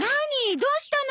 どうしたの？